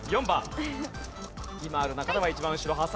今ある中では一番後ろ。